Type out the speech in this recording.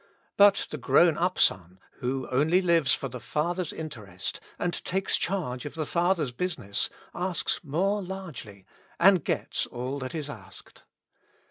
But the grown up son, who only lives for the father's interest and takes charge of the father's busi ness, asks more largely, and gets all that is asked.